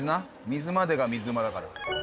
水までが水うまだから。